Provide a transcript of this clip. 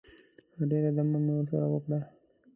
ښه ډېره دمه مې ورسره وکړه.